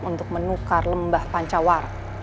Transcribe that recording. untuk menukar lembah pancawaran